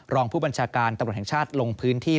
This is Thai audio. รองผู้บัญชาการตำรวจแห่งชาติลงพื้นที่